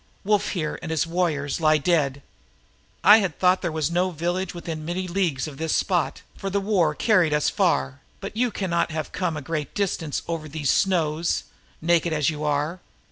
Wulfhere lies dead with all his weapon men. "I had thought there was no village within many leagues of this spot, for the war carried us far, but you can have come no great distance over these snows, naked as you are.